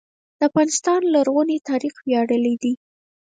د افغانستان لرغونی تاریخ ویاړلی دی